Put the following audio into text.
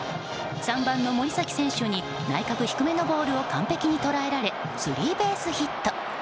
３番の森崎選手に内角低めのボールを完璧に捉えられスリーベースヒット。